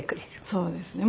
そうですね。